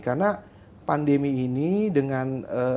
karena pandemi ini dengan